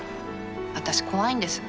私怖いんです。